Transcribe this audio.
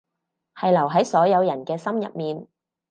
係留喺所有人嘅心入面